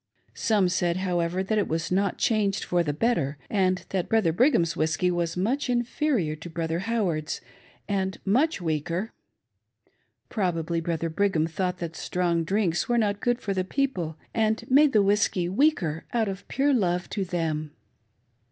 Some said, however, that it was not changed for the better, and that Brother Brigham's whiskey was much inferior to Brother Howard's, and much weaker. Probably, Brother Brigham thought that strong drinks were not good for the people, and made the whiskey weaker out of pure love to them.